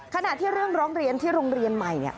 ขณะที่เรื่องร้องเรียนที่โรงเรียนใหม่